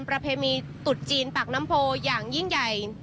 ประเพณีตุจีนปากน้ำโพอย่างยิ่งใหญ่